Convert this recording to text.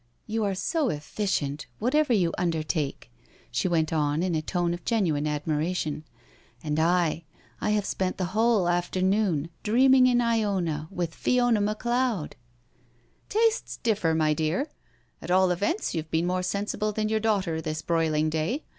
'* You are so efficient whatever you undertake," she went on in a tone of genuine admiration. " And I — I have spent the whole afternoon dreaming in lona with Fiona McLeodI" *' Tastes differ, my dear. At all events you've been more sensible than your daughter this broiling day.